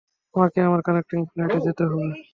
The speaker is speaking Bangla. আমাকে আমার কানেক্টিং ফ্লাইটে যেতে হবে।